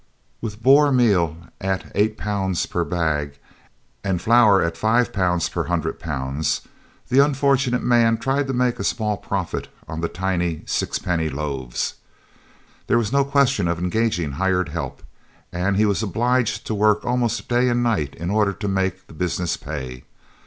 With Boer meal at £8 per bag and flour at £5 per hundred pounds, the unfortunate man tried to make a small profit on the tiny sixpenny loaves. There was no question of engaging hired help, and he was obliged to work almost day and night in order to make the business pay.